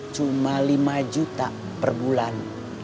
cuma lima juta perbulan